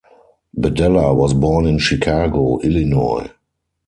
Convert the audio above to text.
Bedella was born in Chicago, Illinois.